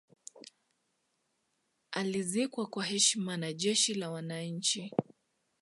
alizikwa kwa heshima na jeshi la wananchi